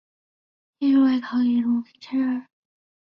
继续为考取金融分析师的牌照而努力。